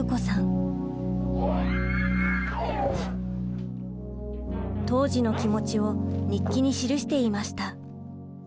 当時の気持ちを日記に記していました。